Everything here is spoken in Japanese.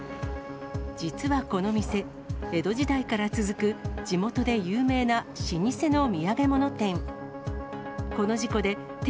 実はこの店、江戸時代から続く地元で有名な老舗の土産物店。